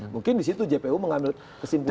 mungkin di situ jpu mengambil kesimpulan